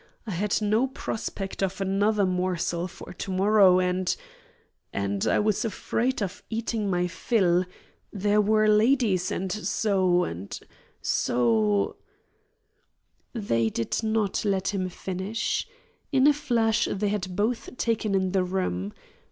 I had no prospect of another morsel for to morrow and and I was afraid of eating my fill there were ladies and so and so " They did not let him finish. In a flash they had both taken in the room.